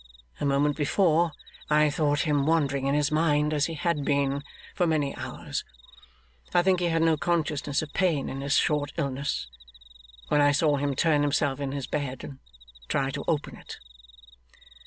A moment before, I thought him wandering in his mind, as he had been for many hours I think he had no consciousness of pain in his short illness when I saw him turn himself in his bed and try to open it.